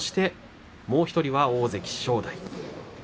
もう１人は大関正代です。